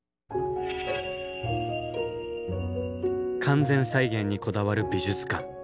完全再現にこだわる美術館。